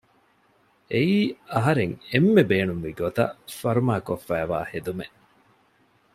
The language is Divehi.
އެއީ އަހަރަން އެންމެ ބޭނުންވި ގޮތަށް ފަރުމާ ކޮށްފައިވާ ހެދުމެއް